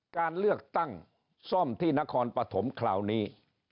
การเลือกตั้งซ่อมที่นครปฐมคราวนี้